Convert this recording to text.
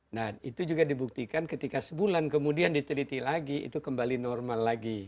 nah itu juga dibuktikan ketika sebulan kemudian diteliti lagi itu kembali normal lagi